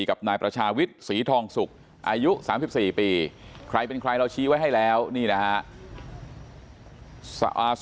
กับนายประชาวิทย์ศรีทองสุกอายุ๓๔ปีใครเป็นใครเราชี้ไว้ให้แล้วนี่นะฮะ